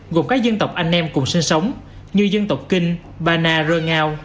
gồm các dân tộc anh em cùng sinh sống như dân tộc kinh ba na rơ ngao